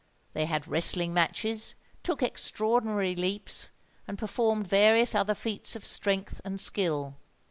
They had wrestling matches, took extraordinary leaps, and performed various other feats of strength and skill.